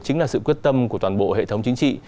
chính là sự quyết tâm của toàn bộ hệ thống chính trị